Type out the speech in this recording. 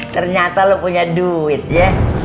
ternyata lo punya duit ya